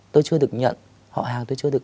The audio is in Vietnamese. tôi chưa được nhận họ hàng